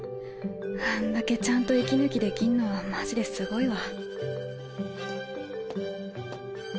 あんだけちゃんと息抜きできんのはマジですごいわ。